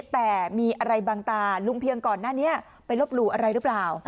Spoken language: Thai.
แต่มีอะไรบางตาลุงเพียงก่อนหน้านี้ไปลบหลู่อะไรหรือเปล่า